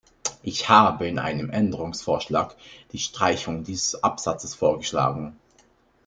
Ich habe in einem Änderungsvorschlag die Streichung dieses Absatzes vorgeschlagen.